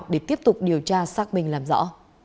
để tiếp tục điều tra xác minh làm rõ